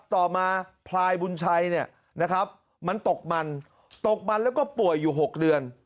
ต่อมาพลายบุญชัยเนี่ยนะครับมันตกมันตกมันแล้วก็ป่วยอยู่๖เดือน